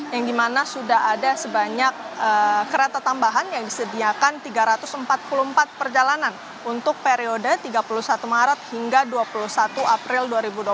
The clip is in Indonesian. yang dimana sudah ada sebanyak kereta tambahan yang disediakan tiga ratus empat puluh empat perjalanan untuk periode tiga puluh satu maret hingga dua puluh satu april dua ribu dua puluh tiga